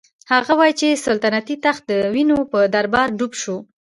هغه وايي چې سلطنتي تخت د وینو په دریاب ډوب شو.